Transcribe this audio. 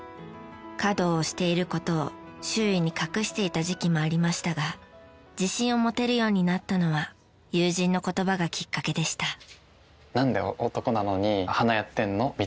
華道をしている事を周囲に隠していた時期もありましたが自信を持てるようになったのは友人の言葉がきっかけでした。